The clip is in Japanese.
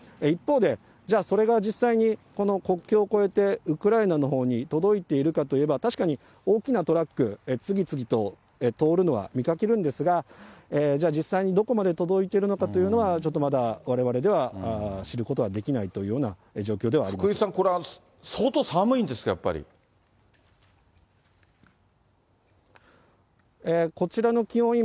一方で、じゃあ、それが実際にこの国境を越えて、ウクライナのほうに届いているかといえば、確かに大きなトラック、次々と通るのは見かけるんですが、じゃあ、実際にどこまで届いているのかというのは、ちょっとまだわれわれでは知ることはできないというような状況で福井さん、これ、相当寒いんこちらの気温